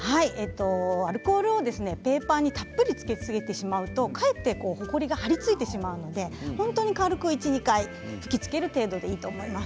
アルコールをペーパーにたっぷりつけすぎてしまうとかえってほこりが貼り付いてしまうので本当に軽く１、２回吹きつける程度でいいと思います。